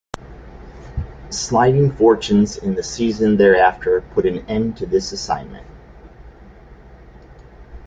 Sliding fortunes in the season thereafter put an end to this assignment.